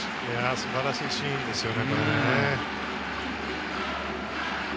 素晴らしいシーンですよね。